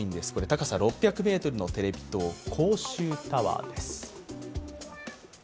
高さ６００ｍのテレビ塔広州タワーです。